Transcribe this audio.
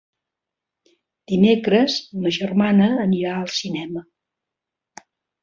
Dimecres ma germana anirà al cinema.